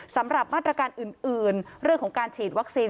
สำหรับมาตรการอื่นเรื่องของการฉีดวัคซีน